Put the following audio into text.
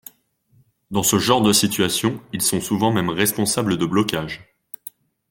Dans ce genre de situations, ils sont souvent même responsables de blocages.